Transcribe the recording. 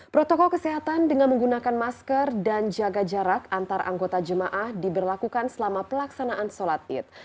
protokol kesehatan dengan menggunakan masker dan jaga jarak antar anggota jemaah diberlakukan selama pelaksanaan sholat id